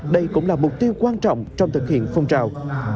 đây cũng là mục tiêu quan trọng trong thực hiện phong trào